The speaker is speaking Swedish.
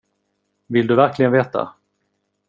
Vill du verkligen veta?